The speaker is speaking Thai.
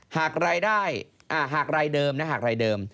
หากรายได้หากรายเดิมนะหากรายเดิม